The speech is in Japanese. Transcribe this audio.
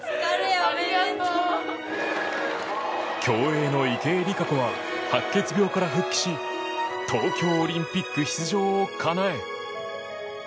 競泳の池江璃花子は白血病から復帰し東京オリンピック出場をかなえ。